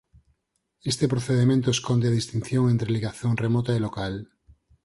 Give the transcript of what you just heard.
Este procedemento esconde a distinción entre ligazón remota e local.